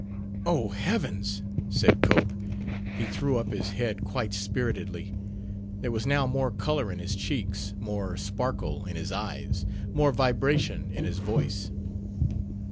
"Oh, heavens!" said Cope. He threw up his head quite spiritedly. There was now more color in his cheeks, more sparkle in his eyes, more vibration in his voice.